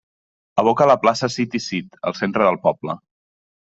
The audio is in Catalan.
Aboca a la plaça Cid i Cid, al centre del poble.